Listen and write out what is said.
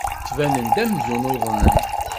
Ttbanen-d amzun uḍnen.